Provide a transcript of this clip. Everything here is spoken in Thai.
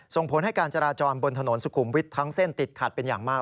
ส่งผลให้การจราจรบนถนนสุขุมวิทย์ทั้งเส้นติดขัดเป็นอย่างมาก